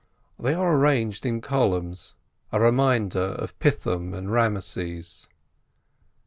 There they are arranged in columns, a reminder of Pithom and Barneses.